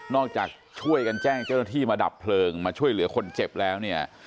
จากช่วยกันแจ้งเจ้าหน้าที่มาดับเพลิงมาช่วยเหลือคนเจ็บแล้วเนี่ย